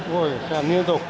cô ơi xem nhiên rồi